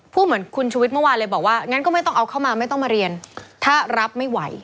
เหมือนคุณชุวิตเมื่อวานเลยบอกว่างั้นก็ไม่ต้องเอาเข้ามาไม่ต้องมาเรียนถ้ารับไม่ไหว